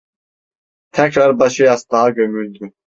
Tekrar başı yastığa gömüldü.